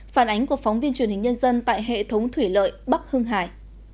phản ánh của phóng viên truyền hình nhân dân tại hệ thống thủy lợi bắc hưng hải